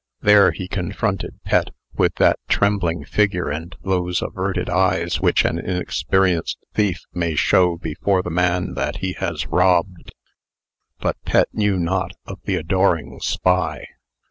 There he confronted Pet, with that trembling figure and those averted eyes which an inexperienced thief may show before the man that he has robbed. But Pet knew not of the adoring spy.